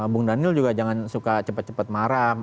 bung daniel juga jangan suka cepat cepat marah